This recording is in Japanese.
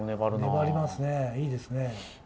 粘りますね、いいですね。